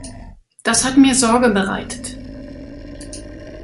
Das hat mir Sorge bereitet.